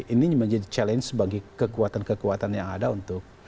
ini menjadi challenge bagi kekuatan kekuatan yang ada untuk